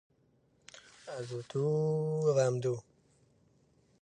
The "train pack" consists of a four-carriage train; extra carriages are available separately.